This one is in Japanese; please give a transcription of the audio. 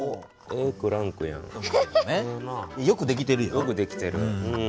よくできてるよ。